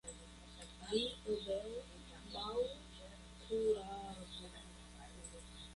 Vi obeu, malkuraĝulo.